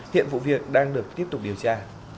hiện vụ việc đang được tiếp tục điều tra